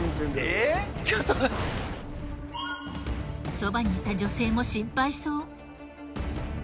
そばにいた女性も心配そう。